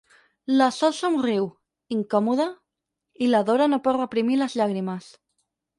La Sol somriu, incòmoda, i la Dora no pot reprimir les llàgrimes.